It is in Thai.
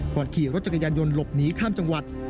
ก่อนขี่รถจักรยานยนต์หลบหนีข้ามจังหวัด